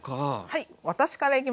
はい。